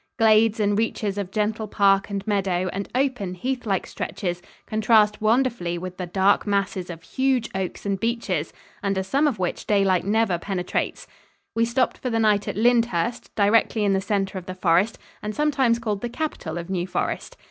Glades and reaches of gentle park and meadow and open, heathlike stretches contrast wonderfully with the dark masses of huge oaks and beeches, under some of which daylight never penetrates. We stopped for the night at Lyndhurst, directly in the center of the forest and sometimes called the capital of New Forest.